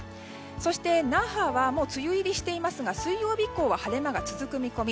そして、那覇はもう梅雨入りしていますが水曜日以降は晴れ間が続く見込み。